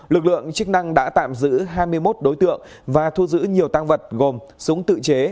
lực lượng chức năng đã tạm giữ hai mươi một đối tượng và thu giữ nhiều tăng vật gồm súng tự chế